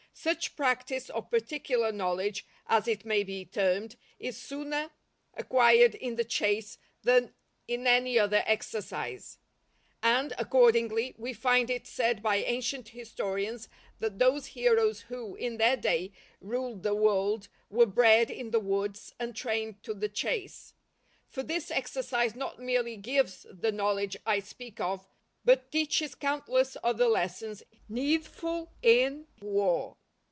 Such practice, or particular knowledge as it may be termed, is sooner acquired in the chase than in any other exercise; and, accordingly, we find it said by ancient historians that those heroes who, in their day, ruled the world, were bred in the woods and trained to the chase; for this exercise not merely gives the knowledge I speak of, but teaches countless other lessons needful in war.